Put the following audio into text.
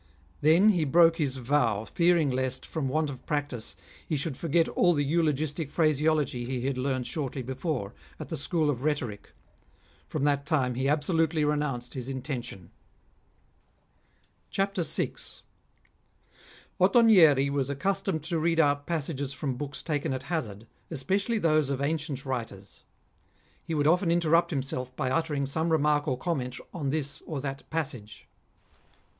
Then he broke his vow, fearing lest, from want of practice, he should forget all the eulogistic phraseology he had learnt shortly before, at the School of Ehetoric. From that time he absolutely renounced his intention. CHAPTEE VI. Ottonieei was accustomed to read out passages from books taken at hazard, especially those of ancient writers. He would often interrupt himself by uttering some remark or comment on this or that passage.